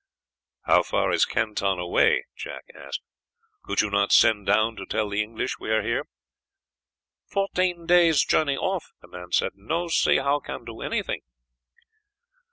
"How far is Canton away?" Jack asked. "Could you not send down to tell the English we are here?" "Fourteen days' journey off," the man said; "no see how can do anything."